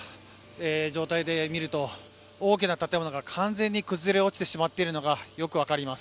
大きな建物が完全に崩れ落ちてしまっているのがよく分かります。